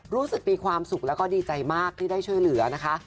รู้สึกมีความสุขแล้วก็ดีใจมากที่ได้ช่วยเหลือนะคะ